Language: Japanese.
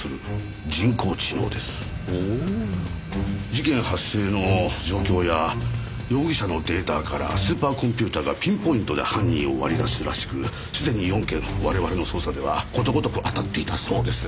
事件発生の状況や容疑者のデータからスーパーコンピューターがピンポイントで犯人を割り出すらしくすでに４件我々の捜査ではことごとく当たっていたそうです。